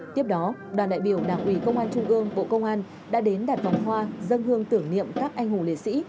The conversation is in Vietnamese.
tiếp đó đoàn đại biểu đảng ủy công an trung ương bộ công an đã đến đặt vòng hoa dân hương tưởng niệm các anh hùng liệt sĩ